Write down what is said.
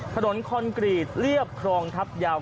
คอนกรีตเรียบครองทัพยาว